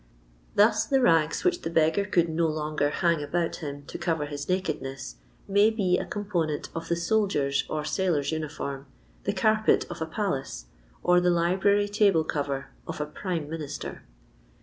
Thus the rags which the beggar could no longer hang about him to cover his nakedness, may be a component of the soldier's or sailor's uniform, the carpet of a palace, or the library table cover of a prime minister.